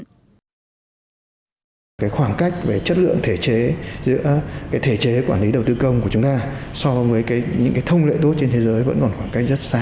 cái khoảng cách về chất lượng thể chế giữa cái thể chế quản lý đầu tư công của chúng ta so với những cái thông lệ tốt trên thế giới vẫn còn khoảng cách rất xa